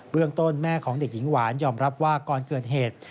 เรื่องต้นแม่ของเด็กหญิงหวานยอมรับว่าก่อนเกิดเหตุ